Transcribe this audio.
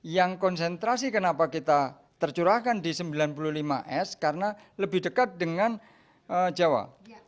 yang konsentrasi kenapa kita tercurahkan di sembilan puluh lima s karena lebih dekat dengan jawa